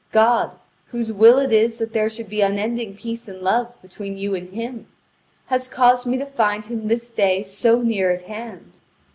God, whose will it is that there should be unending peace and love between you and him, has caused me to find him this day so near at hand.